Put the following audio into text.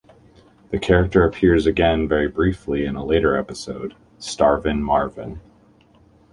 The character appears again very briefly in a later episode, Starvin' Marvin.